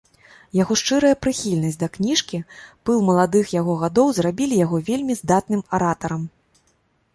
Яго шчырая прыхільнасць да кніжкі, пыл маладых яго гадоў зрабілі яго вельмі здатным аратарам.